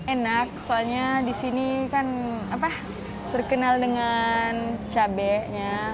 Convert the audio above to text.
enak soalnya disini kan terkenal dengan cabenya